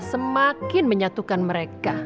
semakin menyatukan mereka